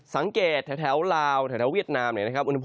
สังเกตแถวลาวแถวเวียดนามเนี่ยนะครับ